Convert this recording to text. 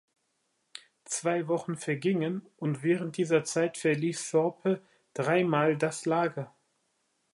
Zwei Wochen vergingen, und während dieser Zeit verließ Thorpe dreimal das Lager.